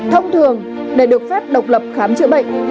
thông thường để được phép độc lập khám chữa bệnh